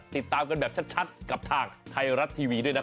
ติดตามกันแบบชัดกับทางไทยรัฐทีวีด้วยนะครับ